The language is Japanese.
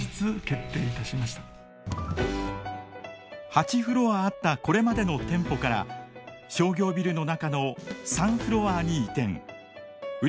８フロアあったこれまでの店舗から商業ビルの中の３フロアに移転。